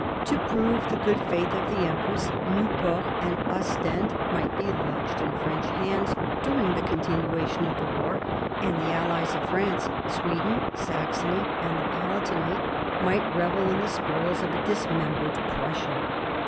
To prove the good faith of the empress, Nieuport and Ostend might be lodged in French hands during the continuation of the war; and the allies of France — Sweden, Saxony,' and the Palatinate — might revel in the spoils of a dismembered Prussia.